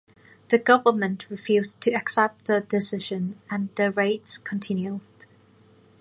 The government refused to accept the decision and the raids continued.